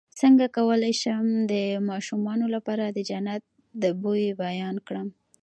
څنګه کولی شم د ماشومانو لپاره د جنت د بوی بیان کړم